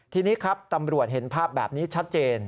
ทีนี้ครับตำรวจเห็นภาพแบบนี้ชัดเจน